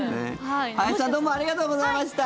林さんどうもありがとうございました。